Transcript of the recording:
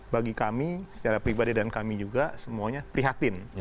bagi kami secara pribadi dan kami juga semuanya prihatin